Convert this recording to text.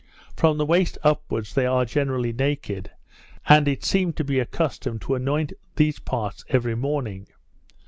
From the waist, upwards, they are generally naked; and it seemed to be a custom to anoint these parts every morning.